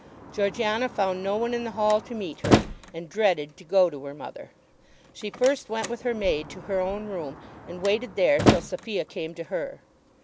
Georgiana found no one in the hall to meet her, and dreaded to go to her mother. She first went with her maid to her own room, and waited there till Sophia came to her.